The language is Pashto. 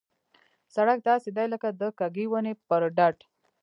سړک داسې دی لکه د کږې ونې پر ډډ.